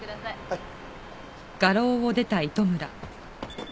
はい。